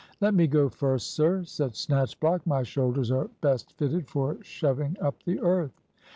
"Let me go first, sir," said Snatchblock; "my shoulders are best fitted for shoving up the earth."